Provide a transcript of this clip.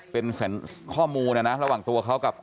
เป็นแสนข้อมูลนะเราหวังตัวเขากับ